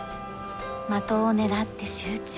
的を狙って集中。